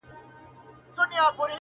اشنا مي کوچ وکړ کوچي سو؛